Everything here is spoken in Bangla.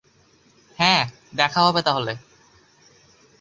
হ্যাঁ, দেখা হবে তাহলে।